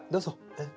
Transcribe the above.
えっ。